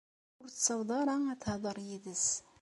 Ur tessaweḍ ara ad tehder yid-s.